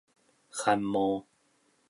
寒帽